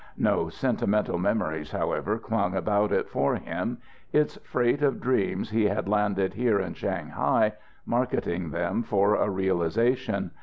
No sentimental memories, however, clung about it for him. Its freight of dreams he had landed here in Shanghai, marketing them for a realization.